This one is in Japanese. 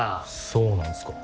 そうなんすか？